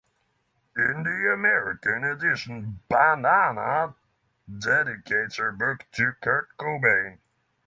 In the American edition Banana dedicates her book to Kurt Cobain.